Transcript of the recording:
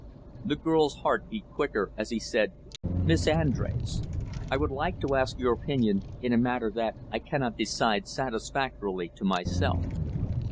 The girl's heart beat quicker, as he said, "Miss Andrés, I would like to ask your opinion in a matter that I cannot decide satisfactorily to myself."